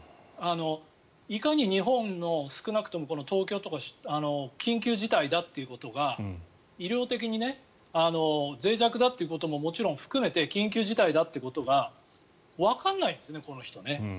いかに日本の少なくとも東京とか緊急事態だということが医療的にぜい弱だということももちろん含めて緊急事態ということがわからないんですね、この人は。